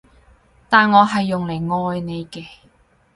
但我係用嚟愛你嘅